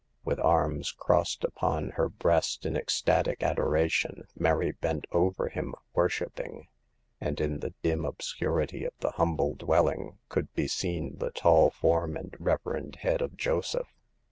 With arms crossed upon her breast in ecstatic adoration, Mary bent over Him worshiping ; and in the dim obscurity of the humble dwelling could be seen the tall form and reverend head of Joseph.